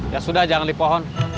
ya sudah jangan di pohon